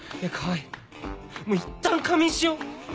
いったん仮眠しよう！